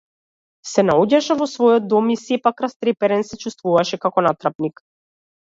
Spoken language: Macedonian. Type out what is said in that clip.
Се наоѓаше во својот дом и сепак, растреперен, се чувствуваше како натрапник.